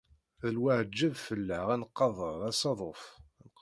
D lwaǧeb fell-aɣ ad nqader asaḍuf.